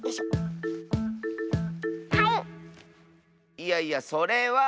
いやいやそれは。